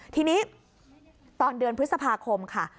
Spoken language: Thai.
ทีนี้ตอนเดือนพฤษภาคมค่ะ